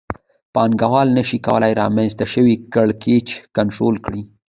پانګوال نشي کولای رامنځته شوی کړکېچ کنټرول کړي